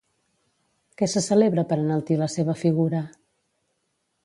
Què se celebra per enaltir la seva figura?